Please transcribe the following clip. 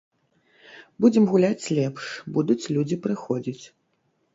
Будзем гуляць лепш, будуць людзі прыходзіць.